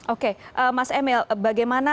oke mas emil bagaimana cara anda mengejar vaksin kedua